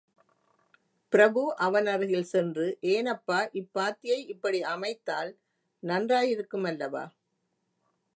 பிரபு அவனருகில் சென்று, ஏனப்பா, இப்பாத்தியை இப்படி அமைத்தால் நன்றாயிருக்கு மல்லவா?